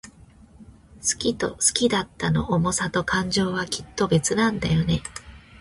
好きと好きだったの想さと感情は、きっと別なんだよね。